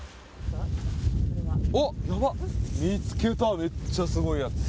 おっ、やばっ、見つけた、めっちゃすごいやつ！